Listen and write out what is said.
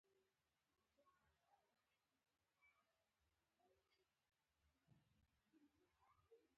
د مافوق احترام پکار دی